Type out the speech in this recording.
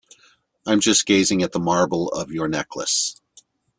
I'm just gazing at the marble of your necklace.